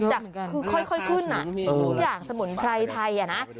จากคือค่อยขึ้นทุกอย่างสมุนไพรไทยนะ